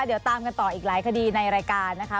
เดี๋ยวตามกันต่ออีกหลายคดีในรายการนะคะ